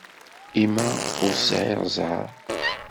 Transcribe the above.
I ma ur sεiɣ ẓẓher?